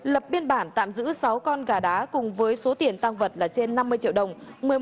lập biên bản tạm giữ sáu con gà đá cùng với số tiền tăng vật là trên năm mươi triệu đồng